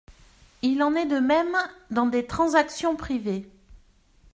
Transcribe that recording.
Il en est de même dans des transactions privées.